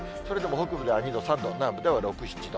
それでも北部では２度、３度、南部では６、７度。